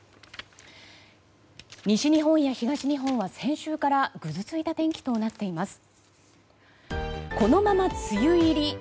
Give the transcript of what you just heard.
西日本や東日本は先週からぐずついた天気となっています。